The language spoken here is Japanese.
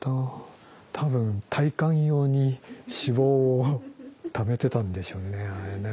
多分耐寒用に脂肪をためてたんでしょうねあれね。